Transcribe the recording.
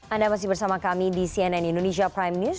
anda masih bersama kami di cnn indonesia prime news